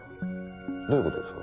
どういうことですか？